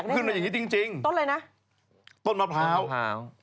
ขึ้นไปแบบนี้จริงต้นอะไรนะต้นมะพร้าวต้นมะพร้าว